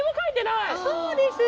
そうです。